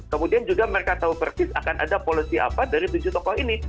kemudian juga mereka tahu persis akan ada policy apa dari tujuh tokoh ini